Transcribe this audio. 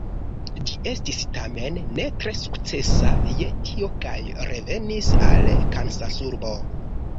Ĝi estis tamen ne tre sukcesa je tio kaj revenis al Kansasurbo.